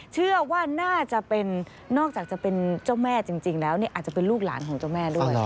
เชื่อว่าน่าจะเป็นนอกจากจะเป็นเจ้าแม่จริงแล้วอาจจะเป็นลูกหลานของเจ้าแม่ด้วย